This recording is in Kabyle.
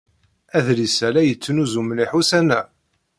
Adlis-a la yettnuzu mliḥ ussan-a.